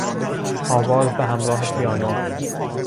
آواز به همراه پیانو